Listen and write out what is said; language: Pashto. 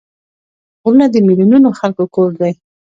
غرونه د میلیونونو خلکو کور دی